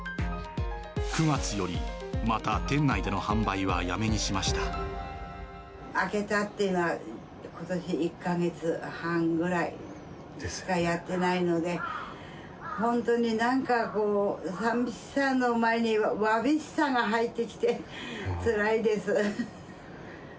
９月よりまた店内での販売は開けたっていうのは、ことし１か月半ぐらいしかやってないので、本当になんかこう、寂しさの前にわびしさが入ってきて、つらいです。